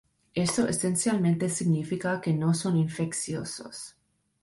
Esto esencialmente significa que no son infecciosos.